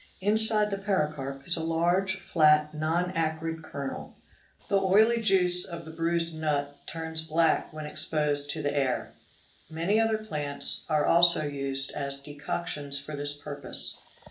Inside the pericarp is a large flat non acrid kernel."' _ The oily juice of the bruised nut turns black when exposed to the air. Many other plants are also used as decoctions for this purpose.